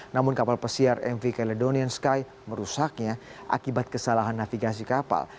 namun kapal pesiar mv caledonian sky merusaknya akibat kesalahan navigasi kapal